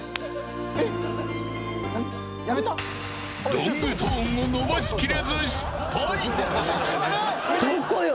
ロングトーンを伸ばし切れず失敗。